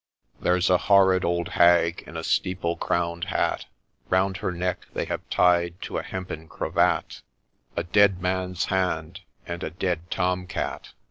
There 's a horrid old hag in a steeple crown'd hat, Round her neck they have tied to a hempen cravat A Dead Man's hand, and a dead Tom Cat